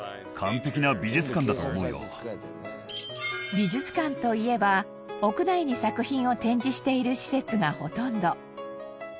美術館といえば屋内に作品を展示している施設がほとんど。